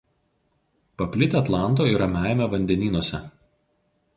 Paplitę Atlanto ir Ramiajame vandenynuose.